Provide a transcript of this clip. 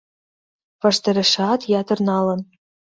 Ваштарешат ятыр налын.